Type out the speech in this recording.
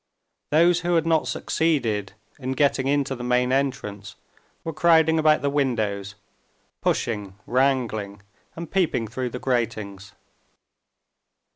Those who had not succeeded in getting into the main entrance were crowding about the windows, pushing, wrangling, and peeping through the gratings.